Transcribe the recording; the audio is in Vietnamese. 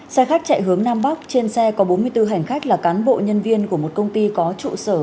xe khách chạy hướng nam bắc trên xe có bốn mươi bốn hành khách là cán bộ nhân viên của một công ty có trụ sở